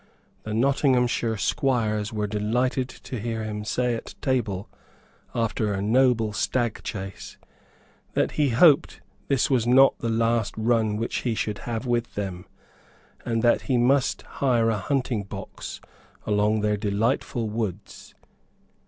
The Nottinghamshire squires were delighted to hear him say at table, after a noble stag chase, that he hoped that this was not the last run which he should have with them, and that he must hire a hunting box among their delightful woods.